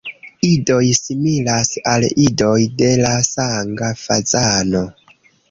Idoj similas al idoj de la Sanga fazano.